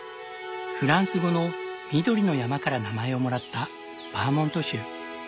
フランス語の「緑の山」から名前をもらったバーモント州。